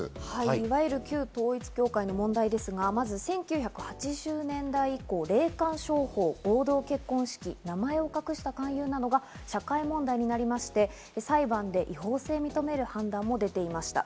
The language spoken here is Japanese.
いわゆる統一教会の問題ですが、１９８０年代以降、霊感商法、合同結婚式、名前を隠した勧誘などが社会問題になりまして、裁判で違法性を認める判断も出ていました。